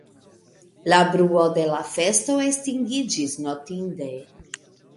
La bruo de la festo estingiĝis notinde.